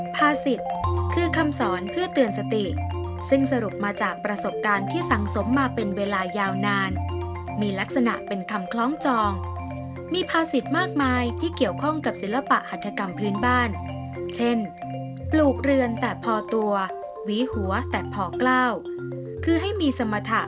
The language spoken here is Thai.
ภาษิตคือคำสอนเพื่อเตือนสติซึ่งสรุปมาจากประสบการณ์ที่สังสมมาเป็นเวลายาวนานมีลักษณะเป็นคำคล้องจองมีภาษิตมากมายที่เกี่ยวข้องกับศิลปะหัฐกรรมพื้นบ้านเช่นปลูกเรือนแต่พอตัวหวีหัวแต่พอกล้าวคือให้มีสมรรถะ